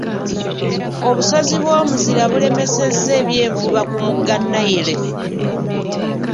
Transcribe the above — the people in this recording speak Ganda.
Obusozi bw'omuzira bulemesezza eby'envuba ku mugga Nile.